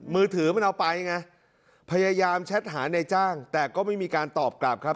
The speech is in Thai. มือถือมันเอาไปไงพยายามแชทหาในจ้างแต่ก็ไม่มีการตอบกลับครับ